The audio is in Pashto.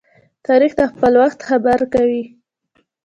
تاریخ د خپل وخت خبره کوي.